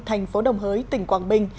thành phố đồng hới tỉnh quảng bình